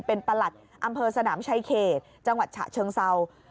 เป็นประหลัดอำเภอสนามชายเขตจังหวัดฉะเชิงเศร้า